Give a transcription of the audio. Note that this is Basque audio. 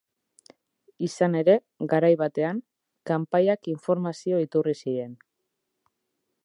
Izan ere, garai batean, kanpaiak informazio iturri ziren.